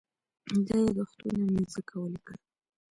دا یادښتونه مې ځکه ولیکل.